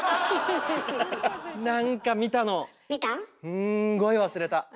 すんごい忘れた。